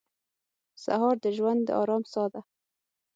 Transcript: سهار د ژوند د ارام ساه ده.